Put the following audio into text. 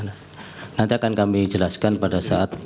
nanti akan kami jelaskan pada saat